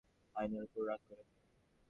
তা নিয়ে ছেলেবেলায় একদিন আয়নার উপর রাগ করেছি।